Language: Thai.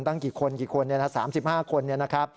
ตั้งกี่คน๓๕คน